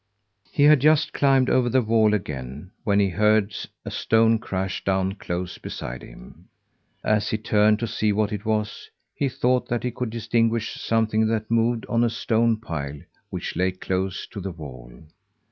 He had just climbed over the wall again when he heard a stone crash down close beside him. As he turned to see what it was, he thought that he could distinguish something that moved on a stone pile which lay close to the wall.